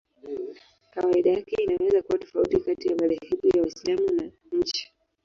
Kawaida yake inaweza kuwa tofauti kati ya madhehebu ya Waislamu na nchi.